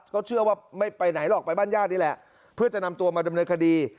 ก็เชื่อว่าไม่ไปไหนหรอกไปบ้านญาตินี่แหละเพื่อจะนำตัวมาดำเนินคดี